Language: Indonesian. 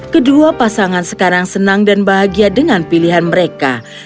kedua pasangan sekarang senang dan bahagia dengan pilihan mereka